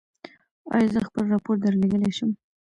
ایا زه خپل راپور درلیږلی شم؟